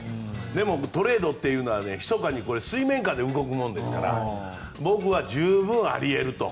でもトレードっていうのはひそかに水面下で動くものですから僕は十分あり得ると。